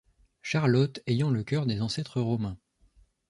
Charlotte, ayant le coeur des ancêtres romains